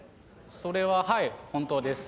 それは、はい、本当です。